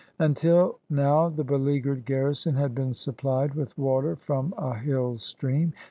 Until now the beleagured garrison had been supplied with water from a hill stream.